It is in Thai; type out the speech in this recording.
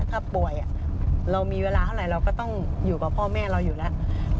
ถ้าป่วยเรามีเวลาเท่าไหร่เราก็ต้องอยู่กับพ่อแม่เราอยู่แล้ว